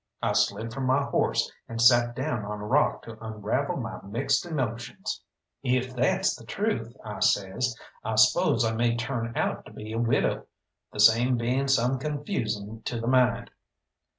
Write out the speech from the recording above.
I slid from my horse and sat down on a rock to unravel my mixed emotions. "If that's the truth," I says, "I spose I may turn out to be a widow, the same being some confusing to the mind."